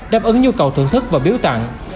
đáp ứng nhu cầu thưởng thức và biếu tặng